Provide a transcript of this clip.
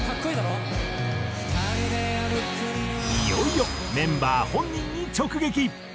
いよいよメンバー本人に直撃！